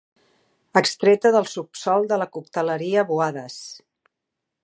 Extreta del subsòl de la cocteleria Boada's.